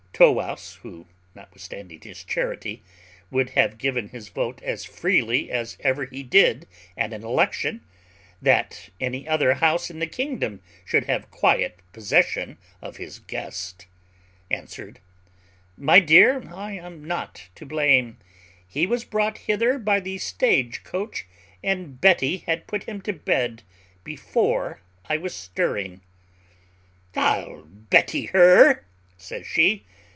Tow wouse (who, notwithstanding his charity, would have given his vote as freely as ever he did at an election, that any other house in the kingdom should have quiet possession of his guest) answered, "My dear, I am not to blame; he was brought hither by the stage coach, and Betty had put him to bed before I was stirring." "I'll Betty her," says she.